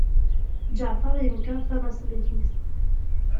Ǧaɛfeṛ yenkeṛ tanaṣlit-is.